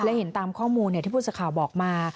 และเห็นตามข้อมูลที่ผู้สื่อข่าวบอกมา